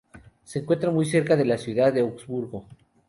Se encuentra muy cerca de la ciudad de Augsburgo.